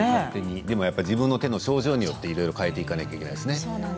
自分の手の症状によっていろいろかえていかなくてはいけないですね。